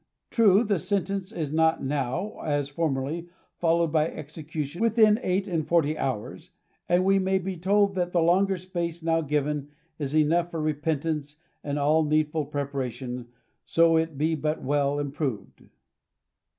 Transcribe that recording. True, the sentence is not now, as formerly, followed hy execution within eight and forty hours, and we may be told that the longer space now given is enough for repentance and all needful preparation^ so it be but well improved.